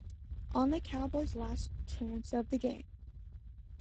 On the Cowboys last chance of the game.